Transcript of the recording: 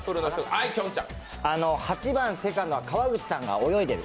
８番セカンド・川口さんが泳いでる？